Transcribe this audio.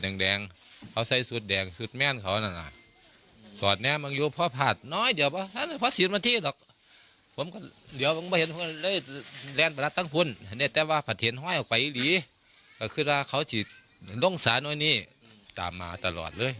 ที่ว่าอยู่ห่างจากบ้านแปดสิบเมตร